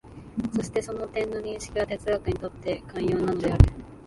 そしてその点の認識が哲学にとって肝要なのである。